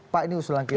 pak ini usulan kita